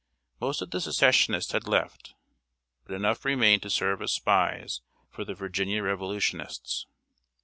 Most of the Secessionists had left, but enough remained to serve as spies for the Virginia Revolutionists.